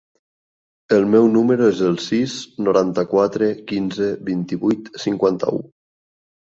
El meu número es el sis, noranta-quatre, quinze, vint-i-vuit, cinquanta-u.